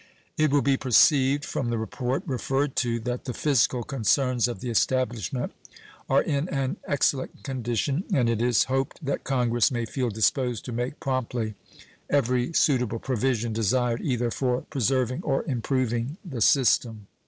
It will be perceived from the report referred to that the fiscal concerns of the establishment are in an excellent condition, and it is hoped that Congress may feel disposed to make promptly every suitable provision desired either for preserving or improving the system.